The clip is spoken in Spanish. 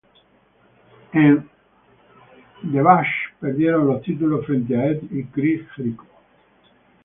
En The Bash perdieron los títulos frente a Edge y Chris Jericho.